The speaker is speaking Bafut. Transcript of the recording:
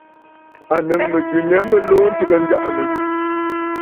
À nɨ̌ŋ mɨ̀jɨ mya mɨ luu ntɨgə njaʼanə.